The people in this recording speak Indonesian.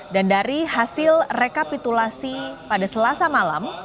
dan dari hasil rekapitulasi pada selasa malam